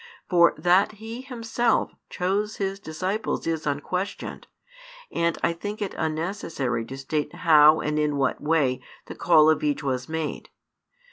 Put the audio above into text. For that He Himself chose His disciples is unquestioned, and I think it unnecessary to state how and in what way the call of each was made.